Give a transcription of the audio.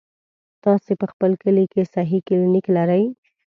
تاسې په خپل کلي کې صحي کلينيک لرئ؟